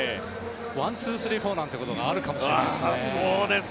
ワン、ツー、スリー、フォーなんてことがありそうですね。